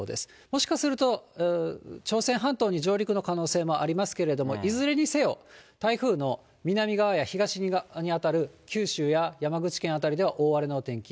もしかすると、朝鮮半島に上陸の可能性もありますけれども、いずれにせよ、台風の南側や東側にあたる九州や山口県辺りでは大荒れのお天気。